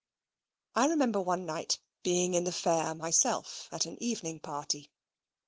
I remember one night being in the Fair myself, at an evening party.